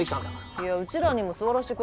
いやうちらにも座らせてくださいよ。